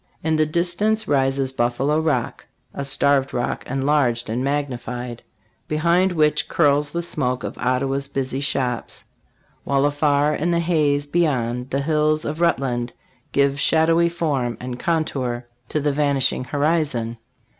In the distance rises Buffalo Rock, a Starved Rock enlarged and magnified, behind which curls the smoke of Ottawa's busy shops; while afar in the haze beyond the hills of Rutland give shadowy form and contour to the vanishing horizon.